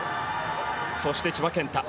そして千葉健太。